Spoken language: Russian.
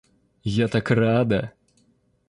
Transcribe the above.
Я так рада!